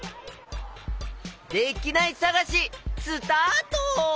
できないさがしスタート！